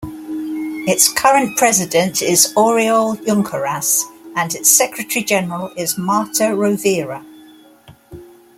Its current president is Oriol Junqueras and its secretary-general is Marta Rovira.